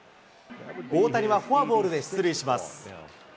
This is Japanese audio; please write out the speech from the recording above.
大谷はフォアボールで出塁します。